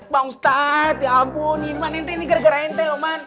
bang ustadz ya ampun ini gara gara ente lo man